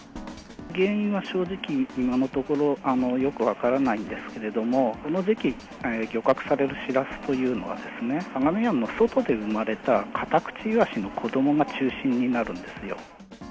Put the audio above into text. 原因は正直、今のところ、よく分からないんですけれども、この時期、漁獲されるしらすというのは、相模湾の外で生まれたカタクチイワシの子どもが中心になるんです